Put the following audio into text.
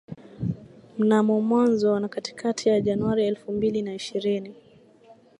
Mnamo mwanzo na katikati ya Januari elfu mbili na ishirini